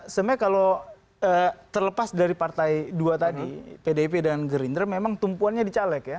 sebenarnya kalau terlepas dari partai dua tadi pdip dan gerindra memang tumpuannya di caleg ya